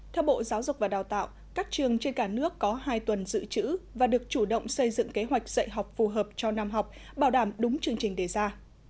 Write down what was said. theo bộ giáo dục và đào tạo các trường trên cả nước có hai tuần dự trữ và được chủ động xây dựng kế hoạch dạy học phù hợp cho năm học bảo đảm đúng chương trình đề ra